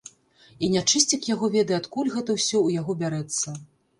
І нячысцік яго ведае, адкуль гэта ўсё ў яго бярэцца?